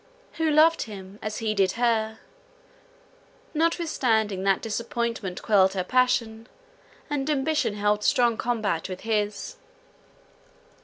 who loved him, as he did her; notwithstanding that disappointment quelled her passion, and ambition held strong combat with his.